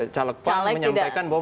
caleg pan menyampaikan bahwa